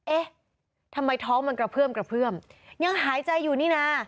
เอ๊ะทำไมท้องมันกระเพื่อมกระเพื่อมยังหายใจอยู่นี่นะ